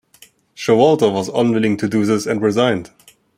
Showalter was unwilling to do this and resigned.